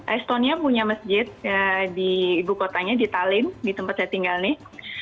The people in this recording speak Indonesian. estonia punya masjid di ibukotanya di tallinn di tempat saya tinggal nih